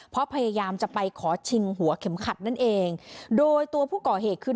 เพราะพยายามจะไปขอชิงหัวเข็มขัดนั่นเองโดยตัวผู้ก่อเหตุคือ